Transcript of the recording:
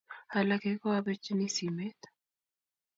alake ko abirchini simet